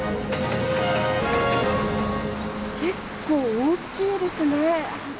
結構大きいですね。